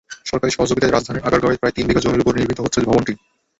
সরকারি সহযোগিতায় রাজধানীর আগারগাঁওয়ে প্রায় তিন বিঘা জমির ওপর নির্মিত হচ্ছে ভবনটি।